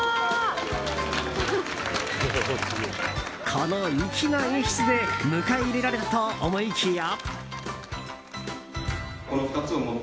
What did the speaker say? この粋な演出で迎え入れられたと思いきや。